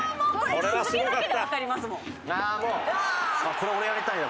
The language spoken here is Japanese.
これ俺やりたいな。